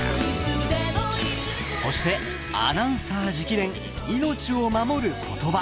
そしてアナウンサー直伝「命を守ることば」。